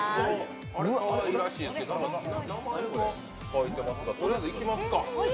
かわいらしいですけど、名前が書いていますが、とりあえずいきますか。